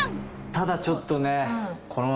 ただちょっとね。